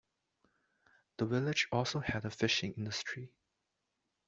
The village also had a fishing industry.